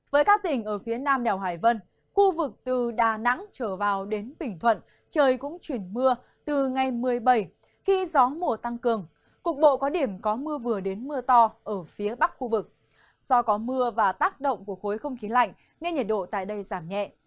với các tỉnh ở phía nam đèo hải vân trời cũng chuyển mưa giải rác và nhiệt độ giảm sâu có nơi rất đậm rất hại